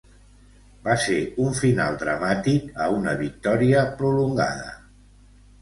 Va ser un final dramàtic a una victòria prolongada.